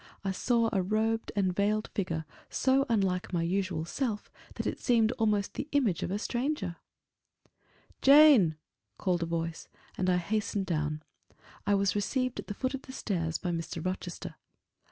I saw a robed and veiled figure, so unlike my usual self that it seemed almost the image of a stranger. "Jane!" called a voice, and I hastened down. I was received at the foot of the stairs by Mr. Rochester.